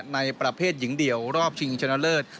ในประเภทหญิงเดี่ยวรอบชิงชนะเลิศ